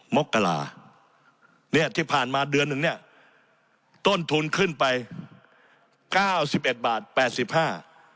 มกราเนี่ยที่ผ่านมาเดือนหนึ่งเนี้ยต้นทุนขึ้นไปเก้าสิบเอ็ดบาทแปดสิบห้า